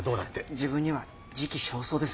自分には時期尚早です。